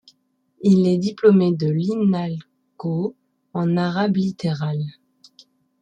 Il est diplômé de l'Inalco en arabe littéral.